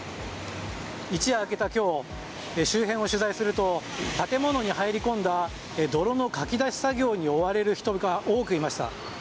一夜明けた今日周辺を取材すると建物に入り込んだ泥のかき出し作業に追われる人が多くいました。